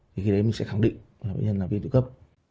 thì khi đấy mình sẽ khẳng định là bệnh nhân là viêm tự cấp